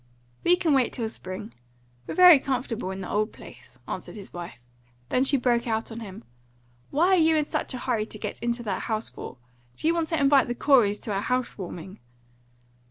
"We can wait till spring. We're very comfortable in the old place," answered his wife. Then she broke out on him: "What are you in such a hurry to get into that house for? Do you want to invite the Coreys to a house warming?"